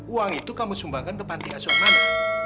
uang itu kamu sumbangkan ke panti asuhan mana